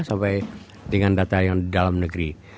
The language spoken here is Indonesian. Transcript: sampai dengan data yang di dalam negeri